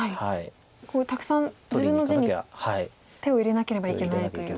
たくさん自分の地に手を入れなければいけないという。